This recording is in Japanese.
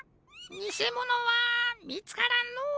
にせものはみつからんのう。